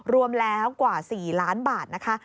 รวมแล้วกว่า๔ล้านบาทนะคะ